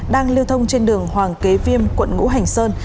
đang lưu thông trên đường hoàng kế viêm quận ngũ hành sơn